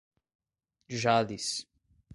Jales